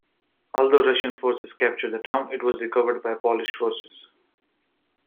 Although Russian forces captured the town, it was recovered by Polish forces.